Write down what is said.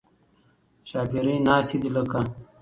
ښاپېرۍ ناستې دي لکه